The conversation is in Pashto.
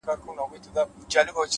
مثبت فکر د ناامیدۍ ځای تنګوي’